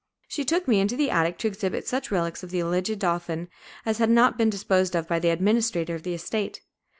She took me into the attic to exhibit such relics of the alleged dauphin as had not been disposed of by the administrator of the estate.